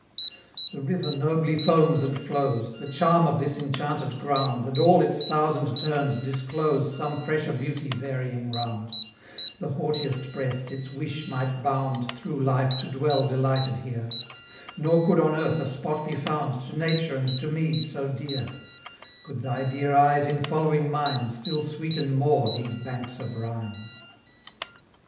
The river nobly foams and flows, The charm of this enchanted ground, And all its thousand turns disclose Some fresher beauty varying round; The haughtiest breast its wish might bound Through life to dwell delighted here; Nor could on earth a spot be found To Nature and to me so dear, Could thy dear eyes in following mine Still sweeten more these banks of Rhine!